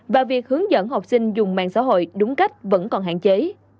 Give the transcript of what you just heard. và việc hướng dẫn học sinh dùng mạng xã hội đúng cách vẫn còn hạn chế